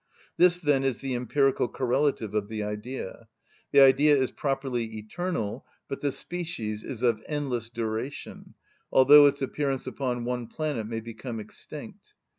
This, then, is the empirical correlative of the Idea. The Idea is properly eternal, but the species is of endless duration, although its appearance upon one planet may become extinct.